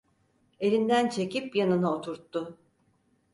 Elinden çekip yanına oturttu...